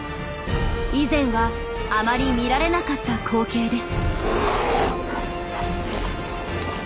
以前はあまり見られなかった光景です。